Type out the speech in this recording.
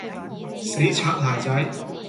死擦鞋仔